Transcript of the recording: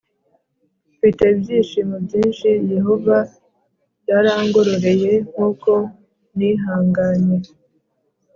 Mfite ibyishimo byinshi Yehova yarangororeye kuko nihanganye